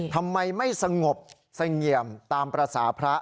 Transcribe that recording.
ทำไมไม่สงบเสงี่ยมตามภาษาพระ